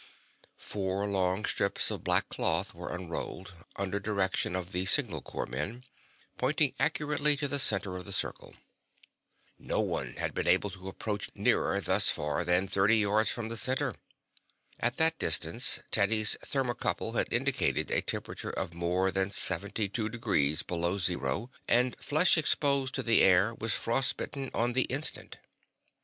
Four long strips of black cloth were unrolled, under direction of the signal corps men, pointing accurately to the center of the circle. No one had been able to approach nearer, thus far, than thirty yards from the center. At that distance Teddy's thermocouple indicated a temperature of more than seventy two degrees below zero, and flesh exposed to the air was frostbitten on the instant.